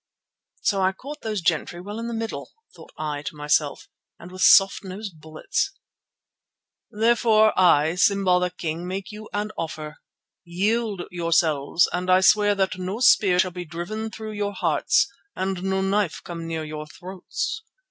"So I caught those gentry well in the middle," thought I to myself, "and with soft nosed bullets!" "Therefore I, Simba the King, make you an offer. Yield yourselves and I swear that no spear shall be driven through your hearts and no knife come near your throats.